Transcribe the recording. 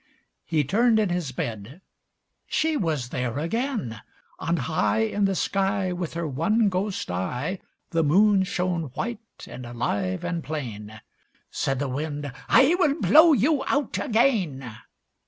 He turned in his bed; she was there again! On high In the sky With her one ghost eye, The Moon shone white and alive and plain. Said the Wind "I will blow you out again."